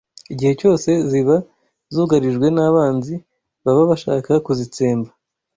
Igihe cyose ziba zugarijwe n’abanzi baba bashaka kuzitsemba